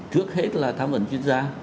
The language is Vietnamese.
trước hết là thám vấn chuyên gia